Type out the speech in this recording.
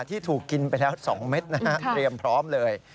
ที่ถูกกินไปแล้ว๒เม็ดนะฮะเตรียมพร้อมเลย